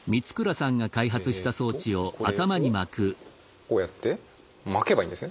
えっとこれをこうやって巻けばいいんですね？